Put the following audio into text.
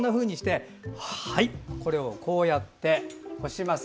はい、これをこうやって干します。